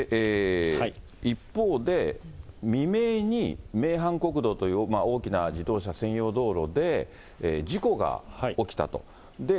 一方で、未明に名阪国道という大きな自動車専用道路で事故が起きたと。